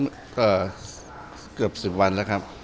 ไม่มีครับก็นัดกันเกือบ๑๐วันแล้วครับ